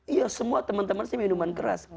iya semua teman teman saya minuman keras